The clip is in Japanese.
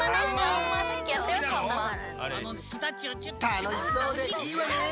たのしそうでいいわね！